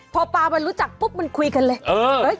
พอปลามันรู้จักปุ๊บมันคุยกันเลย